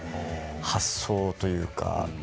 発想というか。